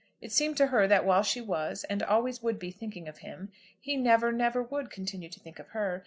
It seemed to her that while she was, and always would be, thinking of him, he never, never would continue to think of her.